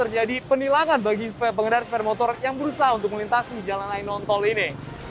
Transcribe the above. jadi penilakan bagi pengendara sepeda motor yang berusaha untuk melintasi jalan laing nontol ini